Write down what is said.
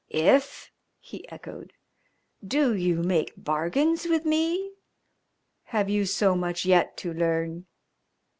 "If?" he echoed. "Do you make bargains with me? Have you so much yet to learn?"